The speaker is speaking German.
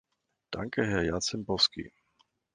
Danke, Herr Jarzembowski.